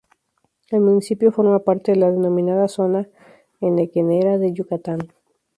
El municipio forma parte de la denominada zona henequenera de Yucatán.